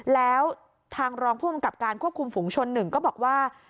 แล้วทางรองผู้อำกับการควบคุมฝุงชน๑ก็บอกว่า